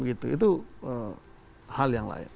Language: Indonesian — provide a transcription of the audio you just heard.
itu hal yang lain